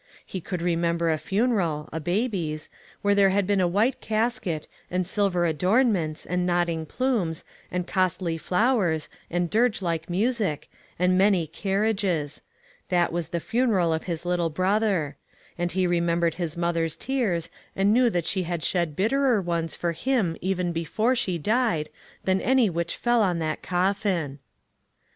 He could re member a funeral, a baby's, where there had been a white casket, and silver adorn ments, and nodding plumes, and costly flowers, and dirge like music, and many car riages ; that was the funeral of his little brother ; and he remembered his mother's tears, and knew that she had shed bitterer ones for him even before she died, than any which fell on that coffin.